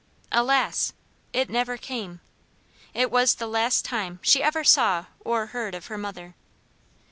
Alas! it never came. It was the last time she ever saw or heard of her mother.